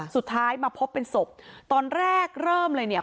สุดท้ายมาพบเป็นศพตอนแรกเริ่มเลยเนี่ย